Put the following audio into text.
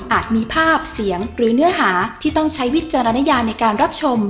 มีภาพเสียงหรือเนื้อหาที่ต้องใช้วิจารณญาในการรับชม